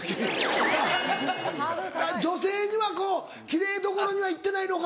あっ女性にはこう奇麗どころには行ってないのか。